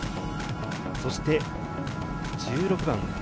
そして１６番。